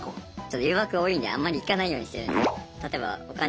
誘惑多いんであんまり行かないようにしてるんですよ。